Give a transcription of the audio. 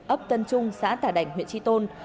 ấp tân trung xã tà đành huyện tri tôn